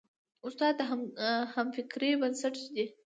استاد د همفکرۍ بنسټ ږدي.